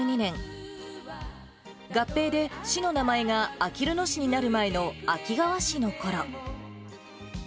合併で、市の名前があきる野市になる前の秋川市のころ。